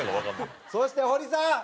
そして堀さん。